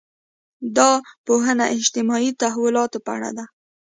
دا پوهنې اجتماعي تحولاتو په اړه دي.